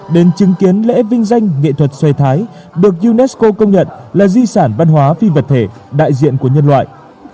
đến chứng kiến lễ vinh danh nghệ thuật xoay thái được unesco công nhận là di sản văn hóa phi vật thể đại diện của nhân loại